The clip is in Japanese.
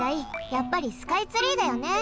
やっぱりスカイツリーだよね。